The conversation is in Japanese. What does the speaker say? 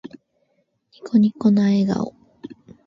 ニコニコな笑顔。